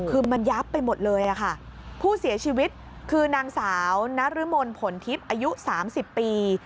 คือมันยับไปหมดเลยอะค่ะผู้เสียชีวิตคือนางสาวนรมนผลทิพย์อายุ๓๐ปี